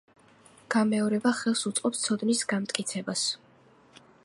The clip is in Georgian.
გამეორება ხელს უწყობს ცოდნის განმტკიცებას.